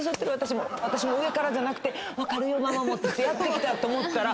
私も上からじゃなくて分かるよママも！ってやってきたと思ったら。